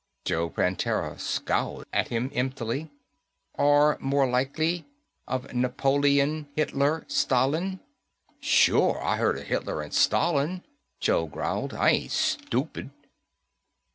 Joe Prantera scowled at him emptily. "Or, more likely, of Napoleon, Hitler, Stalin?" "Sure I heard of Hitler and Stalin," Joe growled. "I ain't stupid."